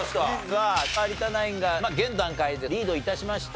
さあ有田ナインが現段階でリード致しました。